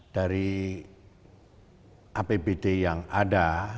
dari apbd yang ada